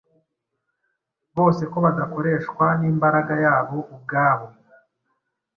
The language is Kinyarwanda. bose ko badakoreshwa n’imbaraga yabo ubwabo